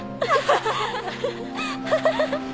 ハハハハ。